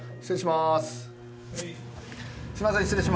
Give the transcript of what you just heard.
失礼します。